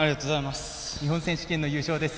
日本選手権の優勝です。